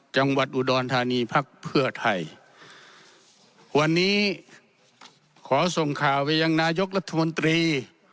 จังหวัดอุดรธานีพักเพื่อไทยวันนี้ขอส่งข่าวไปยังนายกรัฐมนตรี